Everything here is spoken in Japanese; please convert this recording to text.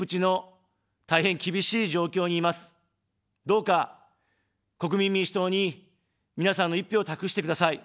どうか、国民民主党に、皆さんの一票を託してください。